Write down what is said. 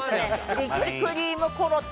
リッチクリームコロッケ